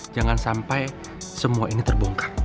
jangan sampai semua ini terbongkar